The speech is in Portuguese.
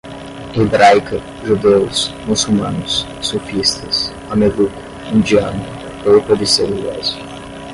hebraica, judeus, muçulmanos, sufistas, mameluco, indiano, polpa de celulose